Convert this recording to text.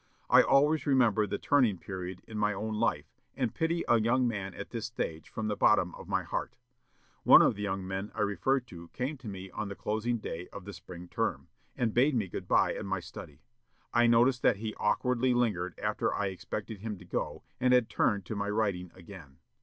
I always remember the turning period in my own life, and pity a young man at this stage from the bottom of my heart. One of the young men I refer to came to me on the closing day of the spring term, and bade me good by at my study. I noticed that he awkwardly lingered after I expected him to go, and had turned to my writing again.